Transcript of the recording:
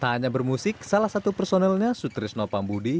tak hanya bermusik salah satu personelnya sutrisno pambudi